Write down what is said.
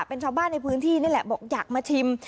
เป็นชาวบ้านในพื้นที่นี่แหละบอกอยากมาชิม